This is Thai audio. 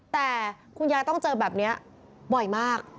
แต่คุณยายต้องเจอแบบนี้บ่อยมาก